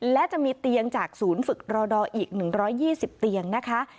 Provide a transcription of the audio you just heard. และจะมีเตียงจากศูนย์ฝึกรอดออีก๑๒๐เตียงนะคะ